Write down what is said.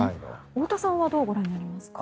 太田さんはどうご覧になりますか？